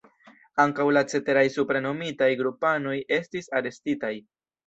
Ankaŭ la ceteraj supre nomitaj grupanoj estis arestitaj.